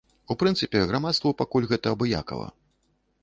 У прынцыпе, грамадству пакуль гэта абыякава.